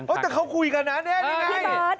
แต่เขาคุยกันน่ะเนี่ย